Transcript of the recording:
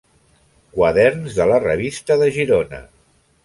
Quaderns de la Revista de Girona.